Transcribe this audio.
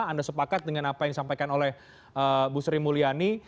anda sepakat dengan apa yang disampaikan oleh bu sri mulyani